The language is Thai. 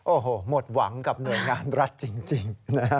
โอ้โหหมดหวังกับหน่วยงานรัฐจริง